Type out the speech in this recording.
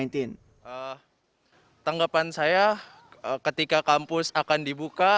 tanggapan saya ketika kampus akan dibuka